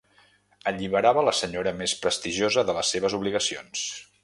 Alliberava la senyora més prestigiosa de les seves obligacions.